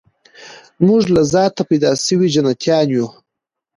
موږ له ذاته پیدا سوي جنتیان یو